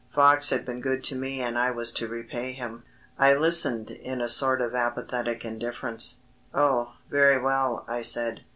Fox had been good to me and I was to repay him. I listened in a sort of apathetic indifference. "Oh, very well," I said.